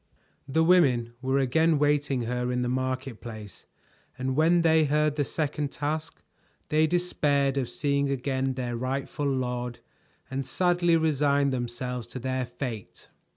The women were again waiting her in the market place, and when they heard the second task, they despaired of seeing again their rightful lord and sadly resigned themselves to their fate.